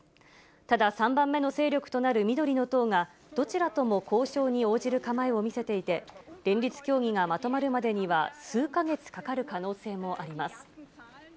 ただ、３番目の勢力となる緑の党が、どちらとも交渉に応じる構えを見せていて、連立協議がまとまるまでには数か月かかる可能性もあります。